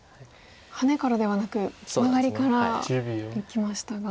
ハネからではなくマガリからいきましたが。